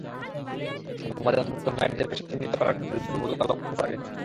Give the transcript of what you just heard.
সংবাদে অন্তর্ভুক্ত নারীদের পেশা চিহ্নিত করার ক্ষেত্রে দুর্বলতা লক্ষ করা গেছে।